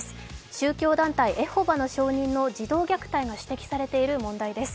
宗教団体・エホバの証人の児童虐待が指摘されている問題です。